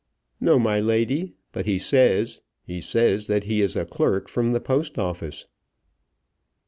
"No, my lady; but he says, he says that he is a clerk from the Post Office."